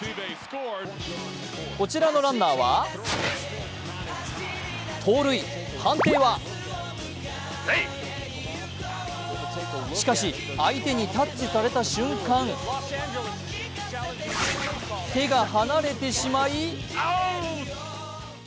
こちらのランナーは盗塁、判定はしかし相手にタッチされた瞬間、手が離れてしまい、アウト。